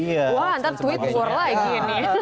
wah ntar tweet bogor lagi ini